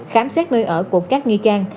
khám xét nơi ở của các nghi can